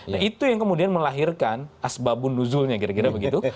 nah itu yang kemudian melahirkan asbabun nuzulnya kira kira begitu